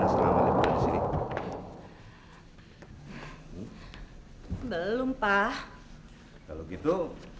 sampai jumpa di video selanjutnya